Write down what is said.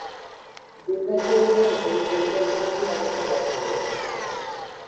দুর্ভাগ্যবশত সেই পরিকল্পনাটি অবশ্য ব্যর্থ হয়েছিল।